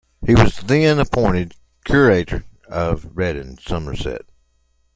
He was then appointed Curate of Redden, Somerset.